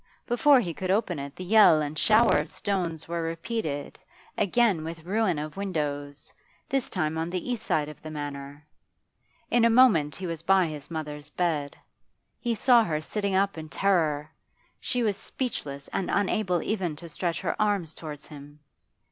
Before he could open it the yell and the shower of stones were repeated, again with ruin of windows, this time on the east side of the Manor. In a moment he was by his mother's bed; he saw her sitting up in terror; she was speechless and unable even to stretch her arms towards him.